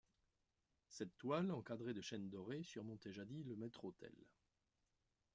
Cette toile, encadrée de chêne doré, surmontait jadis le maître-autel.